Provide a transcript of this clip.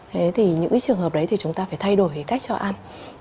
thế thì những cái trường hợp đấy thì chúng ta phải thay đổi cách cho ăn